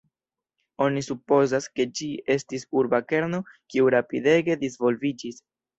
Oni supozas, ke ĝi estis urba kerno kiu rapidege disvolviĝis.